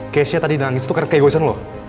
keisha tadi nangis itu karena kegosen lo